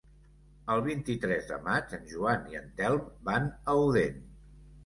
El vint-i-tres de maig en Joan i en Telm van a Odèn.